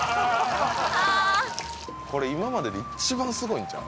これ今まででいっちばんすごいんちゃう？